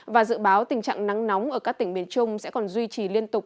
và dự báo tình trạng nắng nóng ở các tỉnh miền trung sẽ còn duy trì liên tục